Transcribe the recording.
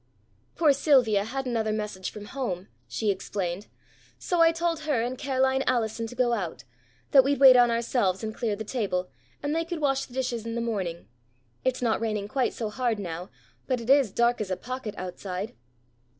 "Poor Sylvia had another message from home," she explained, "so I told her and Ca'line Allison to go on; that we'd wait on ourselves and clear the table, and they could wash the dishes in the morning. It's not raining quite so hard now, but it is dark as a pocket outside."